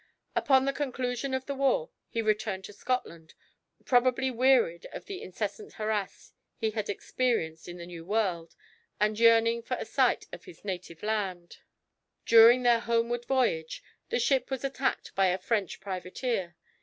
Upon the conclusion of the war he returned to Scotland, probably wearied of the incessant harass he had experienced in the New World, and yearning for a sight of his native land. During their homeward voyage the ship was attacked by a French privateer.